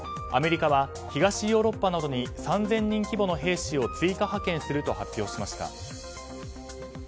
アメリカは東ヨーロッパなどに３０００に規模の兵士を追加派遣すると発表しました。